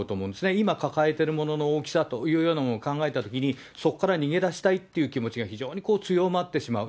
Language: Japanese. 今、抱えているものの大きさというものを考えたときに、そこから逃げ出したいという気持ちが非常に強まってしまう。